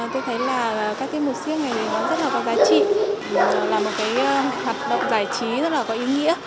tôi thấy là các tiết mục siết này rất là có giá trị là một cái hoạt động giải trí rất là có ý nghĩa